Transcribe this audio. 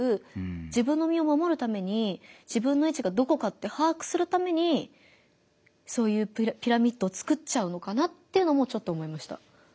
自分の身をまもるために自分の位置がどこかって把握するためにそういうピラミッドを作っちゃうのかなっていうのもちょっと思いました。